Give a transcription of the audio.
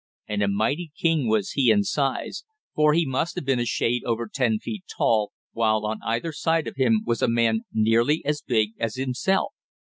And a mighty king was he in size, for he must have been a shade over ten feet tall, while on either side of him was a man nearly as big as himself.